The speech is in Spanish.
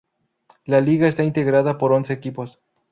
La liga está integrada por once equipos.